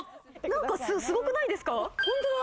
何かすごくないですか？